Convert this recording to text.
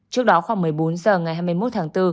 trước đó khoảng một mươi bốn h ngày hai mươi một tháng bốn